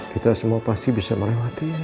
kita semua pasti bisa melewati ini